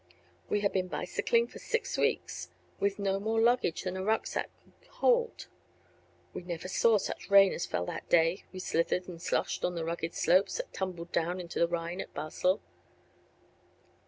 We had been bicycling for six weeks with no more luggage than a rucksack could hold. We never saw such rain as fell that day we slithered and sloshed on the rugged slopes that tumble down to the Rhine at Basel.